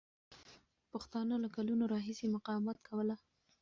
پښتانه له کلونو راهیسې مقاومت کوله.